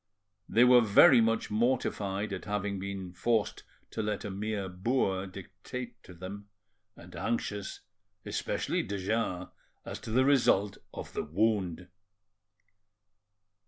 They were very much mortified at having been forced to let a mere boor dictate to them, and anxious, especially de Jars, as to the result of the wound.